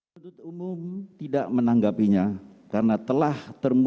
tentu umum tidak menanggapinya karena telah termuat